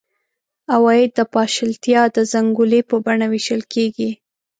عواید د پاشلتیا د زنګولې په بڼه وېشل کېږي.